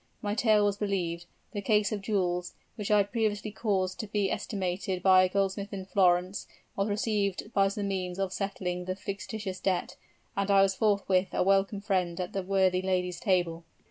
My tale was believed; the case of jewels, which I had previously caused to be estimated by a goldsmith in Florence, was received as the means of settling the fictitious debt; and I was forthwith a welcome friend at the worthy lady's table."